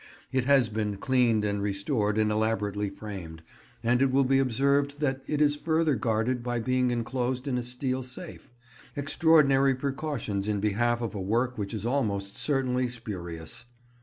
It has been cleaned and restored and elaborately framed, and it will be observed that it is further guarded by being enclosed in a steel safe: extraordinary precautions in behalf of a work which is almost certainly spurious.